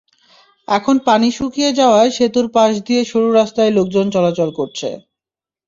এখন পানি শুকিয়ে যাওয়ায় সেতুর পাশ দিয়ে সরু রাস্তায় লোকজন চলাচল করছে।